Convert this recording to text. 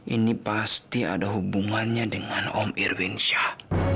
ini pasti ada hubungannya dengan om irwin syah